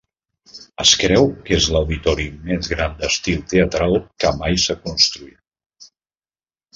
Es creu que és l'auditori més gran d'estil teatral que mai s'ha construït.